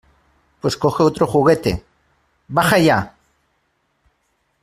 Pues coge otro juguete. ¡ Baja ya!